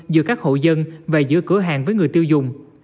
giữa các hộ dân và giữa cửa hàng với người tiêu dùng